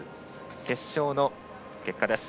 決勝の結果です。